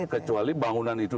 kecuali bangunan itu